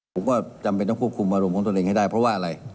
ผมก็จำเป็นต้องควบคุมอารมณ์ของตนเองให้ได้เพราะว่าอะไร